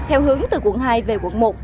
theo hướng từ quận hai về quận một